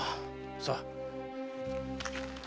さあ。